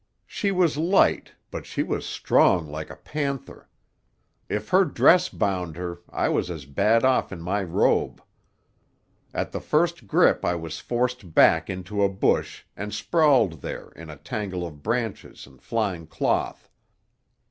"She was light; but she was strong like a panther. If her dress bound her, I was as bad off in my robe. At the first grip I was forced back into a bush, and sprawled there, in a tangle of branches and flying cloth.